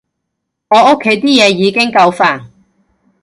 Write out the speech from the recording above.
我屋企啲嘢已經夠煩